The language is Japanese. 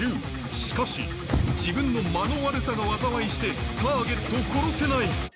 しかし自分の間の悪さが災いしてターゲットを殺せない！